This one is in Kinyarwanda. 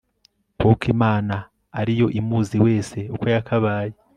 kuko imana ari yo imuzi wese uko yakabaye